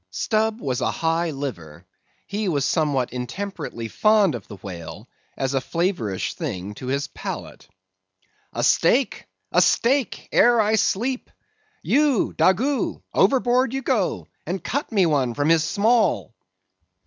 Stubb was a high liver; he was somewhat intemperately fond of the whale as a flavorish thing to his palate. "A steak, a steak, ere I sleep! You, Daggoo! overboard you go, and cut me one from his small!"